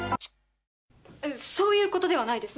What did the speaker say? そういうことではないです。